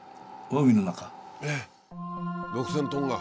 ６，０００トンが。